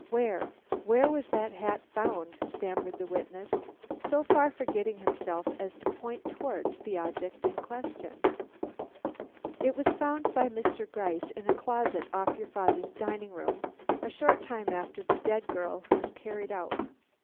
Where where was that hat found?" stammered the witness, so far forgetting himself as to point towards the object in question. "It was found by Mr. Gryce in a closet off your father's dining room, a short time after the dead girl was carried out."